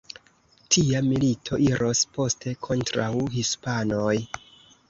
Tia milito iros poste kontraŭ hispanoj.